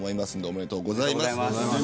おめでとうございます。